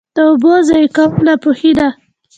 د اوبو ضایع کول ناپوهي ده.